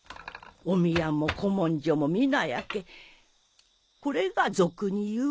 お宮も古文書も皆焼けこれが俗に言う。